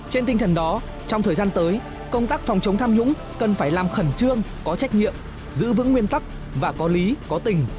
trên tinh thần đó trong thời gian tới công tác phòng chống tham nhũng cần phải làm khẩn trương có trách nhiệm giữ vững nguyên tắc và có lý có tình